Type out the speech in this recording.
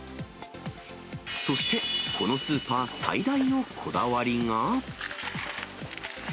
そして、このスーパー最大のこだわりが。